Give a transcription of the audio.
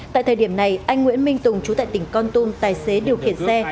tại thời điểm này anh nguyễn minh tùng trú tại tỉnh con tum tài xế điều khiển xe